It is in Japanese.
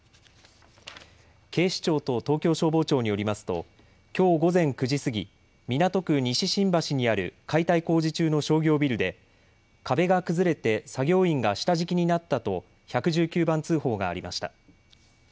警視庁と東京消防庁によりますときょう午前９時過ぎ、港区西新橋にある解体工事中の商業ビルで壁が崩れて作業員が下敷きになったと１１９番通報がありました。